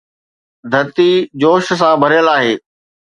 ڌرتي جوش سان ڀريل آهي